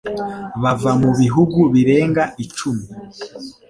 bava mu bihugu birenga icumi